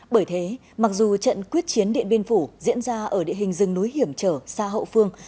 bởi thế mặc dù trận quyết chiến điện biên phủ diễn ra ở địa hình rừng núi hiểm trở xa hậu phương